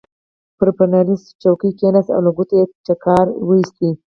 پر فنري څوکۍ کېناست، له ګوتو یې ټکاری وایست.